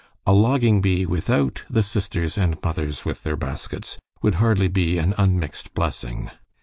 A logging bee without the sisters and mothers with their baskets would hardly be an unmixed blessing.